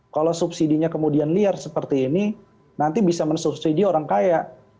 kalau subsidinya kemudian liar seperti ini nanti bisa mensubsidi orang kaya